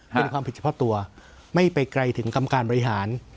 เป็นความผิดเฉพาะตัวไม่ไปไกลถึงกรรมการบริหาร